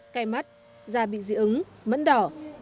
cây mắt da bị dị ứng mẫn đỏ